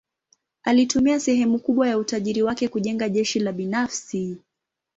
Alitumia sehemu kubwa ya utajiri wake kujenga jeshi la binafsi.